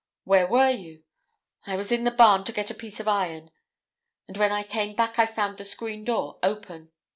'Where were you?' 'I was in the barn to get a piece of iron, and when I came back I found the screen door open.